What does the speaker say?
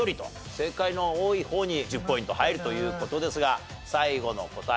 正解の多い方に１０ポイント入るという事ですが最後の答え